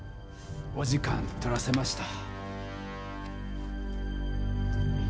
お時間取らせました。